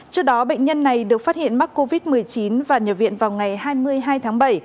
trước đó bệnh nhân này được phát hiện mắc covid một mươi chín và nhập viện vào ngày hai mươi hai tháng bảy